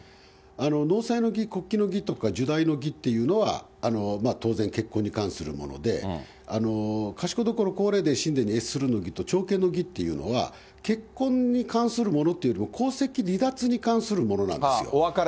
納采の儀、告期の儀、入内の儀っていうのは、当然、結婚に関するもので、賢所・皇霊殿・神殿に接するの儀と朝見の儀っていうのは、結婚に関するものというよりも、皇籍離脱に関するものなんですよ。